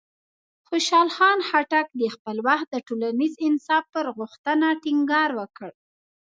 خوشحال خان خټک د خپل وخت د ټولنیز انصاف پر غوښتنه ټینګار وکړ.